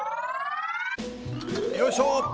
よいしょ！